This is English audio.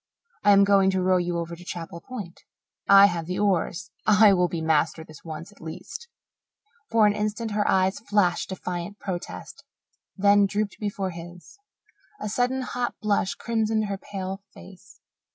"I am going to row you over to Chapel Point. I have the oars I will be master this once, at least." For an instant her eyes flashed defiant protest, then drooped before his. A sudden, hot blush crimsoned her pale face.